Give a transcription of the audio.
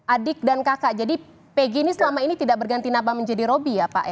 adik dan kakak jadi pg ini selama ini tidak berganti nabah menjadi robby ya pak